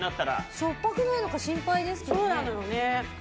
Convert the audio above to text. しょっぱくないか心配ですけどね。